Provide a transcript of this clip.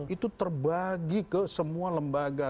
itu terbagi ke semua lembaga